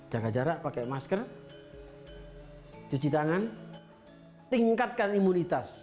jaga jarak pakai masker cuci tangan tingkatkan imunitas